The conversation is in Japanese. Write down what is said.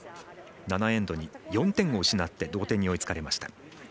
７エンドに４点を失って同点に追いつかれました。